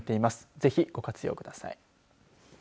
ぜひご活用ください。